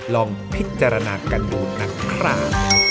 ลองพิจารณากันดูนะครับ